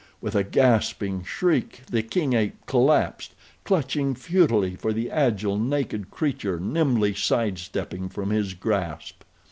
With a gasping shriek the king ape collapsed, clutching futilely for the agile, naked creature nimbly sidestepping from his grasp.